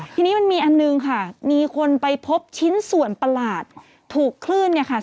ทีนี้มันมีอันหนึ่งค่ะมีคนไปพบชิ้นส่วนประหลาดถูกคลื่นเนี่ยค่ะ